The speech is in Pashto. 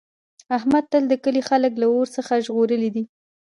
احمد تل د کلي خلک له اور څخه ژغورلي دي.